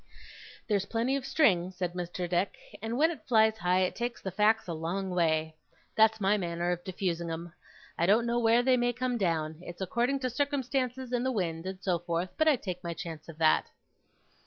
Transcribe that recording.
'There's plenty of string,' said Mr. Dick, 'and when it flies high, it takes the facts a long way. That's my manner of diffusing 'em. I don't know where they may come down. It's according to circumstances, and the wind, and so forth; but I take my chance of that.